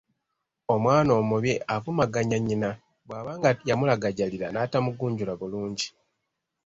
Omwana omubi avumaganya nnyina bw’abanga yamulagajjalira n’atamugunjula bulungi.